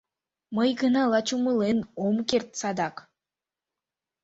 Мый гына лач умылен ом керт садак: